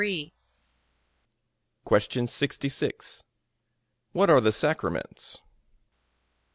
A.